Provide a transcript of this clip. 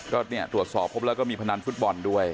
ก็ตรวจสอบครบแล้วก็มีพนันฟุตบอลด้วย